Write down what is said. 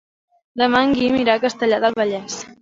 Demà en Guim irà a Castellar del Vallès.